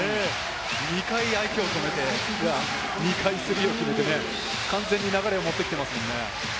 ２回相手を止めて、２回スリーを決めてね、完全に流れを持っていっていますね。